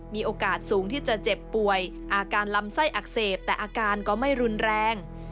มีโอกาสสูงที่จะเจ็บป่วยอาการลำไส้อักเสบแต่อาการก็ไม่รุนแรง